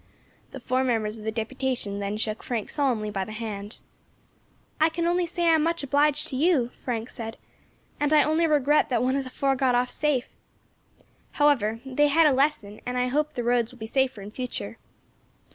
The four members of the deputation then shook Frank solemnly by the hand. "I can only say I am much obliged to you," Frank said, "and I only regret that one of the four got off safe. However, they had a lesson, and I hope the roads will be safer in future."